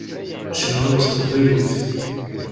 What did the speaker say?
Cennuɣ s teqbaylit.